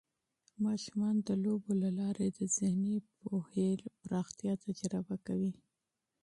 ماشومان د لوبو له لارې د ذهني پوهې پراختیا تجربه کوي.